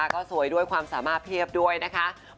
ก็สวยด้วยความสามารถเพียบด้วยนะคะ